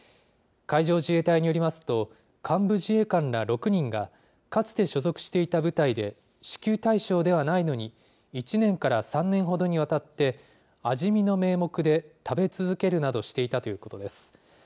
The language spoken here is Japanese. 海上自衛隊によりますと、幹部自衛官ら６人が、かつて所属していた部隊で、支給対象ではないのに、１年から３年ほどにわたって味見の名目で食べ続けるなどしていたということです。